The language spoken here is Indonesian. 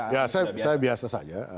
ya saya biasa saja